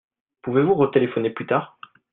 Pouvez-vous retéléphoner plus tard ?